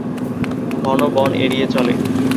ঘন বন এড়িয়ে চলে।